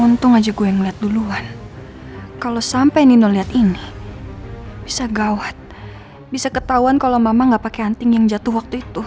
untung aja gue yang liat duluan kalo sampe nino liat ini bisa gawat bisa ketauan kalo mama ga pake anting yang jatuh waktu itu